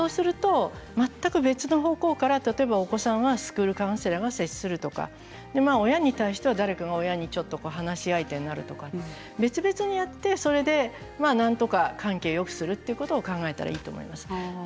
全く別の方向からお子さんはスクールカウンセラーが接するとか親に対しては誰か親の話相手になるとか別々になってなんとか関係をよくするということを考えたらいいと思います。